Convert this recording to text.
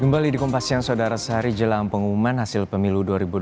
kembali dikompasian saudara sehari jelang pengumuman hasil pemilu dua ribu dua puluh